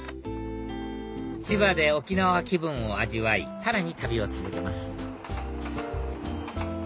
千葉で沖縄気分を味わいさらに旅を続けます